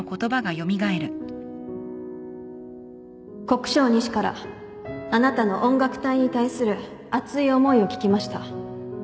国生２士からあなたの音楽隊に対する熱い思いを聞きました